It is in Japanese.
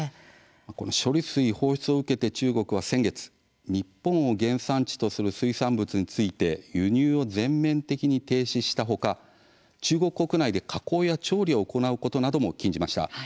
今回の処理水放出を受けて中国は先月、日本を原産地とする水産物について、輸入を全面的に停止した他、中国国内で加工や調理を行うことなども禁じました。